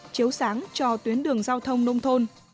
chiếu sáng cho tuyến đường giao thông nông thôn